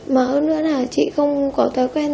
mà hơn nữa là chị không có thói quen